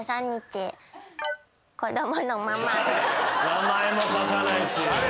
名前も書かないし。